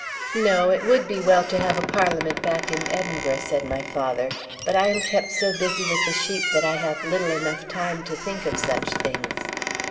"No, it would be well to have a Parliament back in Edinburgh," said my father; "but I am kept so busy with the sheep that I have little enough time to think of such things."